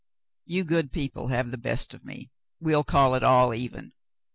"You good people have the best of me; we'll call it all even.